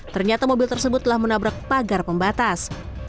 ternyata mobil tersebut telah menabrak pagar pembatas